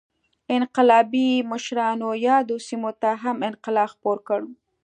انقلابي مشرانو یادو سیمو ته هم انقلاب خپور کړ.